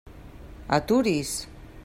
Aturi's!